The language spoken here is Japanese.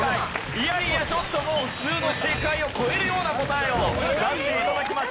いやいやちょっともう普通の正解を超えるような答えを出して頂きました。